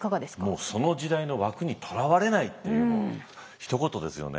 もうその時代の枠にとらわれないというひと言ですよね。